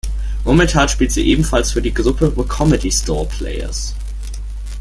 Momentan spielt sie ebenfalls für die Gruppe „The Comedy Store Players“.